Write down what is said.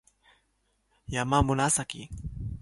やまむらさき